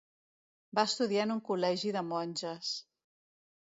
Va estudiar en un col·legi de monges.